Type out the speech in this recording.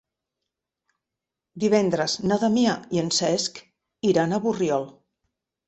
Divendres na Damià i en Cesc iran a Borriol.